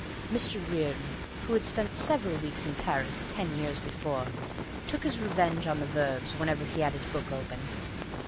Mr. Reardon, who had spent several weeks in Paris ten years before, took his revenge on the verbs, whenever he had his book open.